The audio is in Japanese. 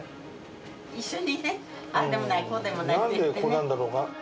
一緒にね、あーでもない、こうでもないってね。